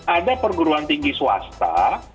ada perguruan tinggi swasta